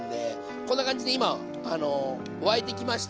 こんな感じで今沸いてきました。